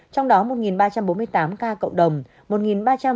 trong đó một ba trăm bốn mươi tám ca cộng đồng